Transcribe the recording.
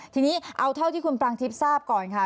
ทีนี้เอาเท่าที่คุณปรางทิพย์ทราบก่อนค่ะ